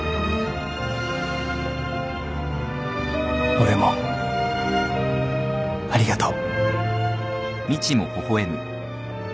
俺もありがとう。